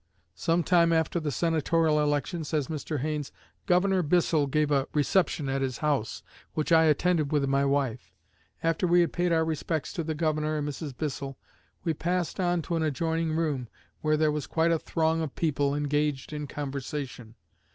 "Some time after the Senatorial election," says Mr. Haines, "Governor Bissell gave a reception at his house, which I attended with my wife. After we had paid our respects to the Governor and Mrs. Bissell, we passed on to an adjoining room, where there was quite a throng of people engaged in conversation.